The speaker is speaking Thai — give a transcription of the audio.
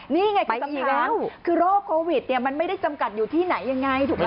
นี่ไงปกติแล้วคือโรคโควิดเนี่ยมันไม่ได้จำกัดอยู่ที่ไหนยังไงถูกไหม